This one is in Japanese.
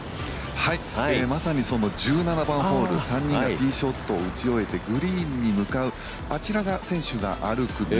まさにその１７番ホール３人がティーショットを打ち終えてグリーンに向かう、あちらが選手が歩く道。